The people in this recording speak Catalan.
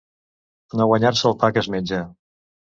No guanyar-se el pa que es menja.